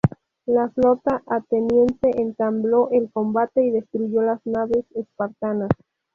La flota ateniense entabló el combate y destruyó las naves espartanas.